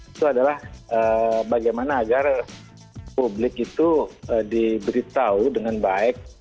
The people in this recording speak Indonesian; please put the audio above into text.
itu adalah bagaimana agar publik itu diberitahu dengan baik